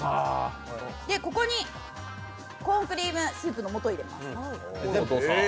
ここにコーンクリームスープの素を全部入れます。